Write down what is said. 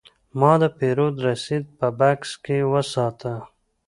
ما د پیرود رسید په بکس کې وساته.